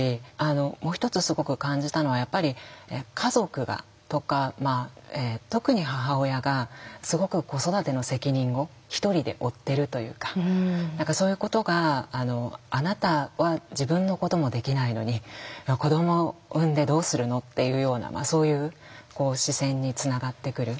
もう一つすごく感じたのはやっぱり家族がとか特に母親がすごく子育ての責任を一人で負ってるというか何かそういうことが「あなたは自分のこともできないのに子どもを産んでどうするの」っていうようなそういう視線につながってくる。